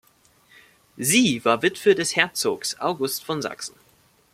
Sie war Witwe des Herzogs August von Sachsen.